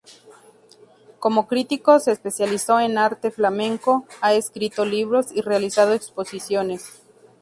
Como crítico se especializó en arte flamenco, ha escrito libros y realizado exposiciones.